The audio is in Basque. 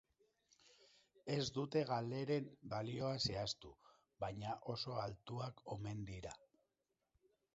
Ez dute galeren balioa zehaztu, baina oso altuak omen dira.